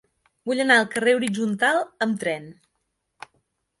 Vull anar al carrer Horitzontal amb tren.